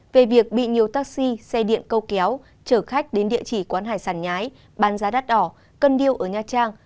về việc bị nhiều taxi xe điện câu kéo chở khách đến địa chỉ quán hải sản nhái bán giá đắt đỏ cân điêu ở nha trang